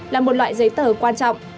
là một loại giấy tờ quan trọng